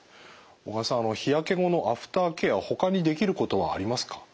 小川さん日焼け後のアフターケアほかにできることはありますか？